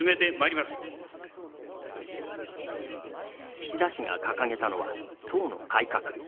岸田氏が掲げたのは党の改革。